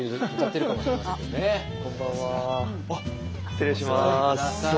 失礼します。